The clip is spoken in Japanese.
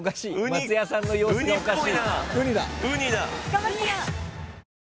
松也さんの様子がおかしい。